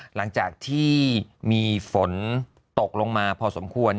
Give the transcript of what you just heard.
หลังจากที่มีฝนตกลงมาพอสมควร